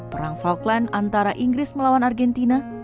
perang falkland antara inggris melawan argentina